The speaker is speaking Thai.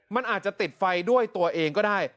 มันอาจจะติดไฟด้วยตัวเองก็ได้